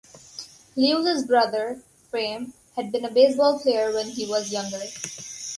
Lewis' brother, Frame, had been a baseball player when he was younger.